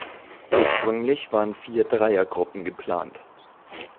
Ursprünglich waren vier Dreier-Gruppen geplant.